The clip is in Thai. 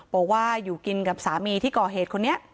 บอกว่าอยู่กินกับสามีที่ก่อเหตุคนนี้